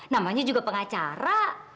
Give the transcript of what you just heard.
namanya juga pengacara